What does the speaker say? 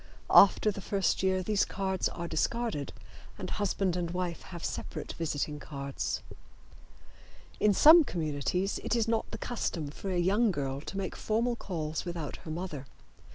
After the first year these cards are discarded, and husband and wife have separate visiting cards. In some communities it is not the custom for a young girl to make formal calls without her mother.